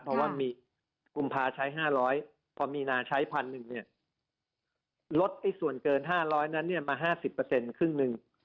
เพราะว่ามีกุมภาใช้๕๐๐พอมีนาใช้๑๐๐๐นี่ลดส่วนเกิน๕๐๐นั้นเนี่ยมา๕๐ครึ่งนึง